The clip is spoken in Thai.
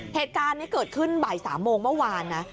เหตุการณ์นี้เกิดขึ้นบ่าย๓โมงเมื่อวานนะ